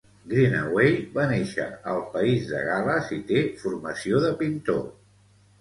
Greenaway va néixer al País de Gal·les i té formació de pintor.